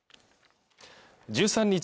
１３日